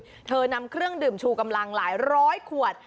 เธอนำเครื่องดื่มชูกำลังหลายร้อยขวด